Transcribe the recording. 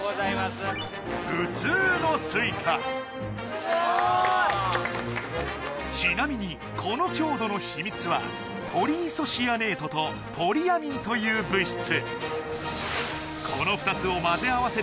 すごーいちなみにこの強度の秘密はポリイソシアネートとポリアミンという物質